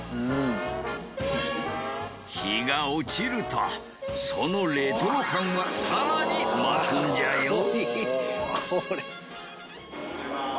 日が落ちるとそのレトロ感は更に増すんじゃよ。